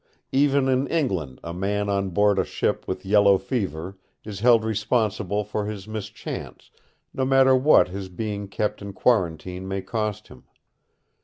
Even in England a man on board a ship with yellow fever is held responsible for his mischance, no matter what his being kept in quarantine may cost him.